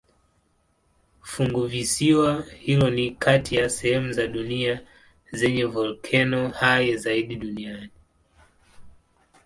Funguvisiwa hilo ni kati ya sehemu za dunia zenye volkeno hai zaidi duniani.